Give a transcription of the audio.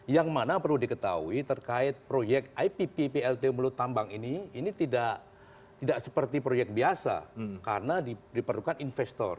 yang mana perlu diketahui terkait proyek ipp plt melutambang ini ini tidak seperti proyek biasa karena diperlukan investor